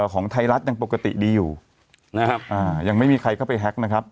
ของไทยรัฐยังปกติดีอยู่นะครับยังไม่มีใครเข้าไปแฮ็กนะครับ